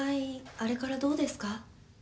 あれからどうですか？